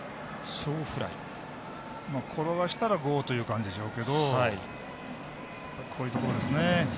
転がしたらゴーという感じでしょうけどこういうところですね。